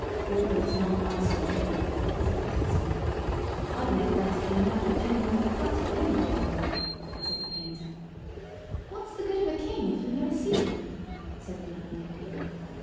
"Alban is not my sort of king," said the blacksmith. "I'd make a better king out of a penn'orth of putty any day of the week," said the painter. "What's the good of a king if you never see him?" said the landlady.